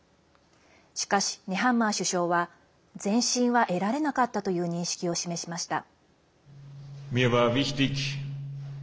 しかし、ネハンマー首相は前進は得られなかったという認識を示しました。